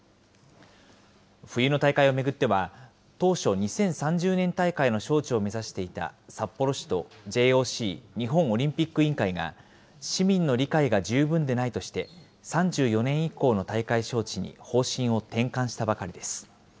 冬の大会を巡っては、当初、２０３０年大会の招致を目指していた札幌市とＪＯＣ・日本オリンピック委員会が、市民の理解が十分でないとして、３４年以降の大会招致に方針を転換したばかりです。